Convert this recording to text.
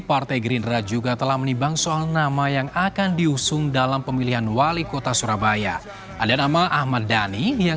partai gerindra juga telah menibang soal nama yang akan diusung dalam pemilihan wali kota surabaya